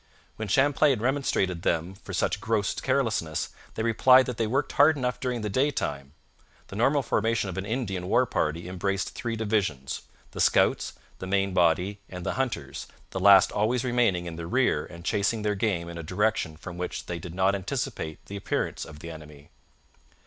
When Champlain remonstrated with them for such gross carelessness, they replied that they worked hard enough during the daytime. The normal formation of an Indian war party embraced three divisions the scouts, the main body, and the hunters, the last always remaining in the rear and chasing their game in a direction from which they did not anticipate the appearance of the enemy.